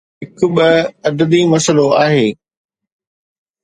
هڪ ٻه عددي مسئلو آهي.